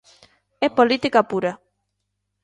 É política pura.